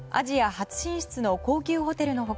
初進出の高級ホテルの他